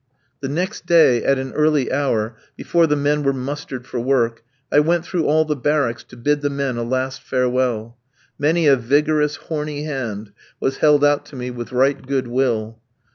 The next day, at an early hour, before the men were mustered for work, I went through all the barracks to bid the men a last farewell. Many a vigorous, horny hand was held out to me with right good will.